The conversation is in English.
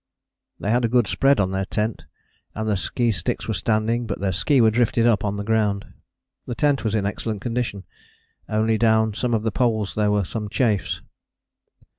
_ They had a good spread on their tent, and their ski sticks were standing, but their ski were drifted up on the ground. The tent was in excellent condition only down some of the poles there were some chafes.